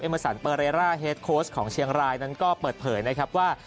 มาสันเปอร์เรร่าเฮดโค้ชของเชียงรายนั้นก็เปิดเผยนะครับว่า